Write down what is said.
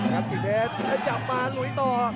ครับพี่เผ็ดจับมาหลุยต่อ